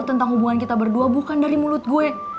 tentang hubungan kita berdua bukan dari mulut gue